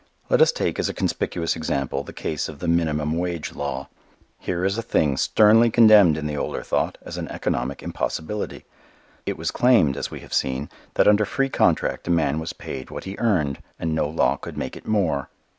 Let us take, as a conspicuous example, the case of the Minimum wage law. Here is a thing sternly condemned in the older thought as an economic impossibility. It was claimed, as we have seen, that under free contract a man was paid what he earned and no law could make it more.